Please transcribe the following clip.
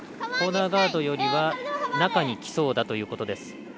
コーナーガードよりは中に来そうだということです。